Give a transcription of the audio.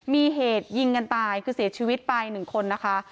มีเหตุยิงกันตายคือเสียชีวิตไป๑คนนะคะ